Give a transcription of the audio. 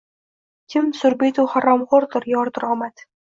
Kim surbetu haromxoʼrdir yordir omad.